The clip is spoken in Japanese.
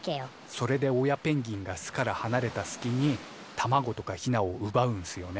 それで親ペンギンが巣からはなれたすきに卵とかヒナをうばうんすよね。